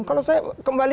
kalau saya kembali